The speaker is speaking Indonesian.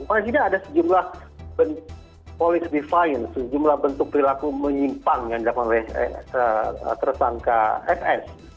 pada saat ini ada sejumlah bentuk polis defiance sejumlah bentuk perilaku menyimpang yang dapat oleh tersangka fs